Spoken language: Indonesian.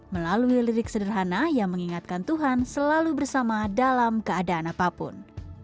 melalui lirik sederhana ia mengingatkan tuhan selalu bersama dalam keadaan apapun